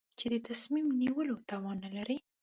چې د تصمیم نیولو توان نه لري.